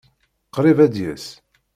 Qṛib ad yas.